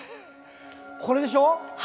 これでしょ。